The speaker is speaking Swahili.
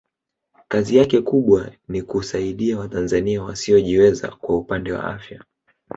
kazi yake kubwa ni kusaidia watanzania wasiojiweza kwa upande wa afya